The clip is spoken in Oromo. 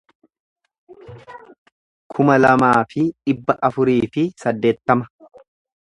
kuma lamaa fi dhibba afurii fi saddeettama